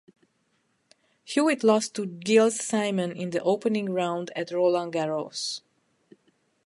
Hewitt lost to Gilles Simon in the opening round at Roland Garros.